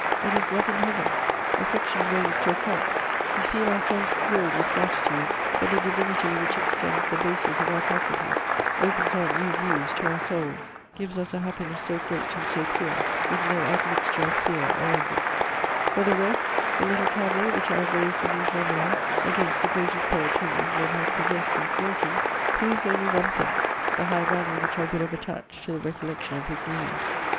It is love in Heaven, affection raised to a cult; we feel ourselves thrilled with gratitude for the divinity which extends the bases of our faculties, opens out new views to our souls, gives us a happiness so great and so pure, with no admixture of fear or envy. For the rest, the little cavil which I have raised in these Memoirs against the greatest poet whom England has possessed since Milton proves only one thing: the high value which I would have attached to the recollection of his muse. [Sidenote: The real Byron.